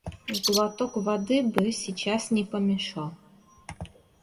Глоток воды бы сейчас не помешал.